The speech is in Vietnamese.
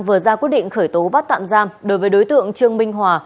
vừa ra quyết định khởi tố bắt tạm giam đối với đối tượng trương minh hòa